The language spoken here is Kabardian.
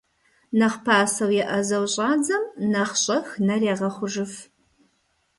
Нэхъ пасэу еӀэзэу щӀадзэм, нэхъ щӀэх нэр ягъэхъужыф.